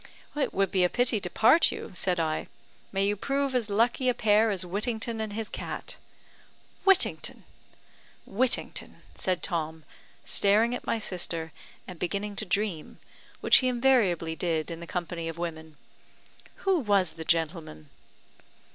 "It would be a pity to part you," said I. "May you prove as lucky a pair as Whittington and his cat." "Whittington! Whittington!" said Tom, staring at my sister, and beginning to dream, which he invariably did in the company of women. "Who was the gentleman?"